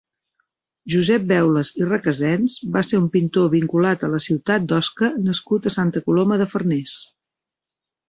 Josep Beulas i Recasens va ser un pintor vinculat a la ciutat d'Osca nascut a Santa Coloma de Farners.